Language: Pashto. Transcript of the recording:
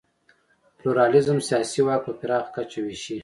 پلورالېزم سیاسي واک په پراخه کچه وېشي.